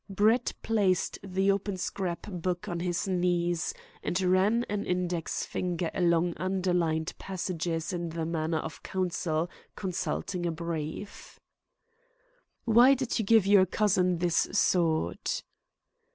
Brett placed the open scrap book on his knees, and ran an index finger along underlined passages in the manner of counsel consulting a brief. "Why did you give your cousin this sword?"